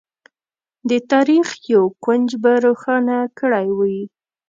د تاریخ یو کونج به روښانه کړی وي.